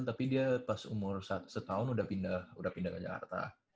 tapi dia pas umur setahun sudah pindah ke jakarta